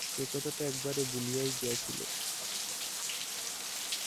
সে কথাটা একেবারেই ভুলিয়া গিয়াছিল।